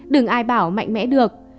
đừng ai bảo mạnh mẽ được